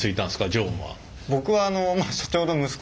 常務は。